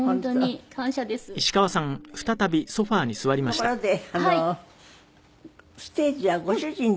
ところでステージはご主人とご一緒に。